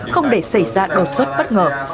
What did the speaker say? không để xảy ra đột xuất bất ngờ